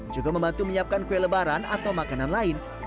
juga membantu menyiapkan kue lebaran atau makanan lain